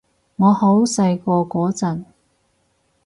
我好細個嗰陣